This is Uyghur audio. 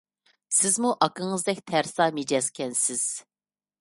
سىزمۇ ئاكىڭىزدەك تەرسا مىجەزكەنسىز!